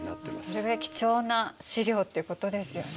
それぐらい貴重な史料ってことですよね。